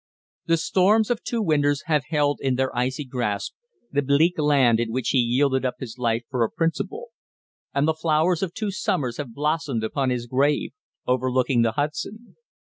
The storms of two winters have held in their icy grasp the bleak land in which he yielded up his life for a principle, and the flowers of two summers have blossomed upon his grave, overlooking the Hudson.